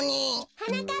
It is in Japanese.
はなかっ